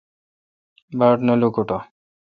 باڑ نہ لوکوٹہ ۔